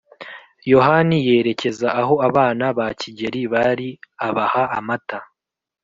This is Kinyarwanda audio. yohani yerekeza aho abana ba Kigeli bari abaha amata